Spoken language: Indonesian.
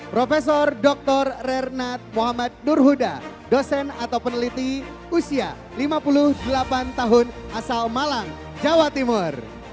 prof dr renat muhammad nurhuda dosen atau peneliti usia lima puluh delapan tahun asal malang jawa timur